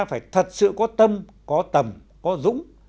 phải thật sự có tâm có tầm có dũng